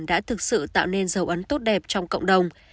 đã thực sự tạo nên dấu ấn tốt đẹp trong cộng đồng